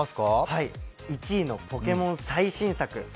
はい、１位のポケモン最新作。